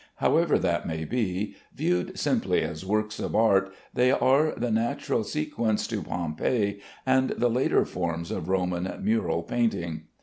However that may be, viewed simply as works of art, they are the natural sequence to Pompeii and the later forms of Roman mural painting.